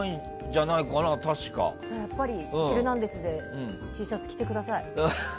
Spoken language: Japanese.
じゃあやっぱり「ヒルナンデス！」でＴシャツ着てください。